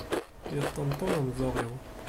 Yeṭṭentun umeẓẓeɣ-iw.